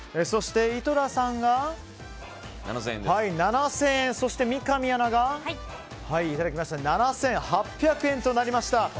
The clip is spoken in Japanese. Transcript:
そして、井戸田さんが７０００円そして三上アナが７８００円となりました。